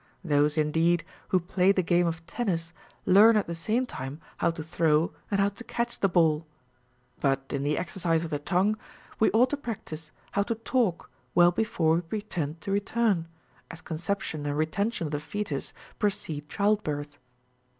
Those indeed who play the game of tennis learn at the same time how to throw and how to catch the ball ; but in the exercise of 444 OF HEARING. the tongue, we ought to practise how to talk well before we pretend to return, as conception and retention of the foetus precede childbirth.